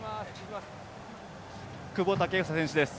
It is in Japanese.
久保建英選手です。